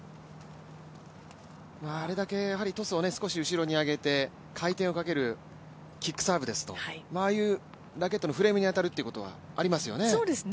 あれだけトスを少し後に上げて回転をかけるキックサーブですとああいうラケットのフレームに当たるということはありますよね。